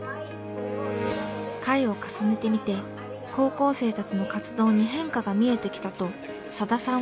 回を重ねてみて高校生たちの活動に変化が見えてきたとさださんは言います。